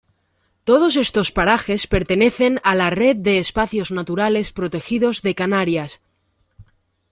Todos estos parajes pertenecen a la Red de Espacios Naturales Protegidos de Canarias.